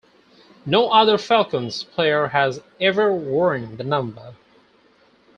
No other Falcons player has ever worn the number.